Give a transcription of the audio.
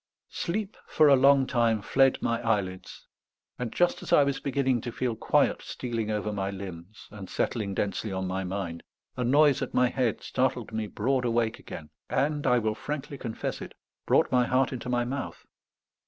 Sleep for a long time fled my eyelids; and just as I was beginning to feel quiet stealing over my limbs, and settling densely on my mind, a noise at my head startled me broad awake again, and, I will frankly confess it, brought my heart into my mouth.